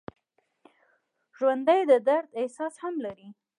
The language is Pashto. ژوندي د درد احساس هم لري